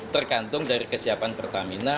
tergantung dari kesiapan pertamina